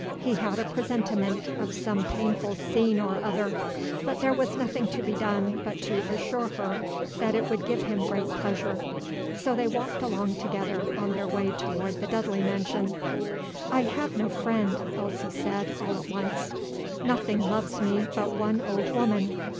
He had a presentiment of some painful scene or other. But there was nothing to be done but to assure her that it would give him great pleasure. So they walked along together on their way toward the Dudley mansion. "I have no friend," Elsie said, all at once. "Nothing loves me but one old woman.